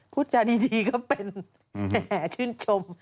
พูดจาดีก็เป็นแห่ชื่นชม